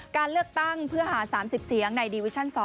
การเลือกตั้งเพื่อหา๓๐เสียงในดีวิชั่น๒